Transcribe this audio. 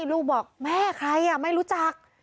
ลูกบอกแม่ใครไม่รู้จัก